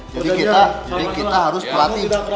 jadi kita harus pelatih